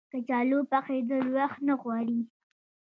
کچالو پخېدل وخت نه غواړي